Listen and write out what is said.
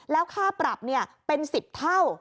แล้วค่าปรับเป็น๑๐เท่า